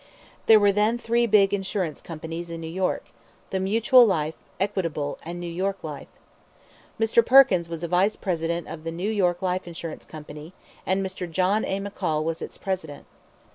There were then three big insurance companies in New York the Mutual Life, Equitable, and New York Life. Mr. Perkins was a Vice President of the New York Life Insurance Company and Mr. John A. McCall was its President.